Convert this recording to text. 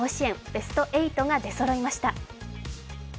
ベスト８が出そろいました。